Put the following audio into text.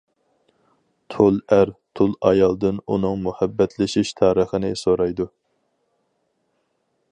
تۇل ئەر تۇل ئايالدىن ئۇنىڭ مۇھەببەتلىشىش تارىخىنى سورايدۇ.